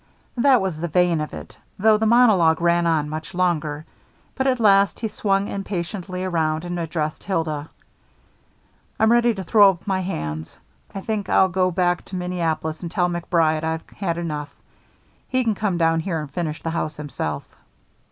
That was the vein of it, though the monologue ran on much longer. But at last he swung impatiently around and addressed Hilda. "I'm ready to throw up my hands. I think I'll go back to Minneapolis and tell MacBride I've had enough. He can come down here and finish the house himself."